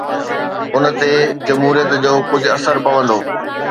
ان تي جمهوريت جو ڪجهه اثر پوندو.